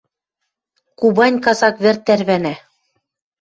Кубань казак вӹр тӓрвӓнӓ.